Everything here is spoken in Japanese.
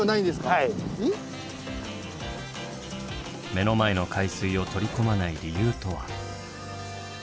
目の前の海水を取り込まない理由とは？